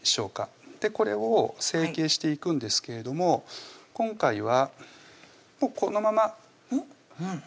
これを成形していくんですけれども今回はもうこのままうん？